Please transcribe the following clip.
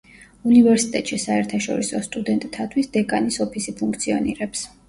უნივერსიტეტში საერთაშორისო სტუდენტთათვის დეკანის ოფისი ფუნქციონირებს.